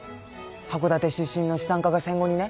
函館出身の資産家が戦後にね。